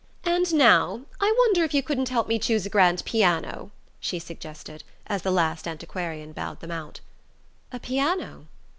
"And now I wonder if you couldn't help me choose a grand piano?" she suggested, as the last antiquarian bowed them out. "A piano?"